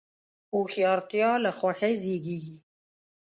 هوښیارتیا له خاموشۍ زیږېږي.